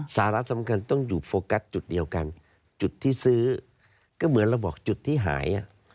สาระสำคัญต้องอยู่โฟกัสจุดเดียวกันจุดที่ซื้อก็เหมือนเราบอกจุดที่หาย